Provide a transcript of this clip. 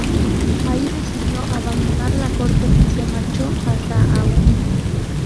Ahí decidió abandonar la corte y se marchó a Sahagún.